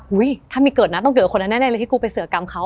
หุ้ยถ้ามีเกิดนะต้องเกิดคนแน่เลยที่กูไปเสือกรรมเขา